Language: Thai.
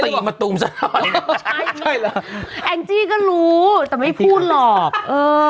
จะได้ตีมะตุมสะด้อนใช่เหรอแองจี้ก็รู้แต่ไม่พูดหรอกเออ